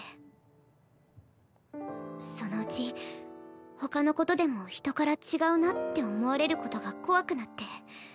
そのうち他のことでも人から違うなって思われることが怖くなって。